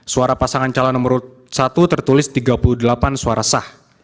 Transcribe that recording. suara pasangan calon nomor satu tertulis tiga puluh delapan suara sah